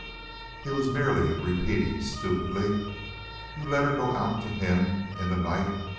He was merely repeating stupidly: "You let her go out to him in the night!